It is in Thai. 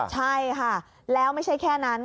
ใช่ค่ะแล้วไม่ใช่แค่นั้น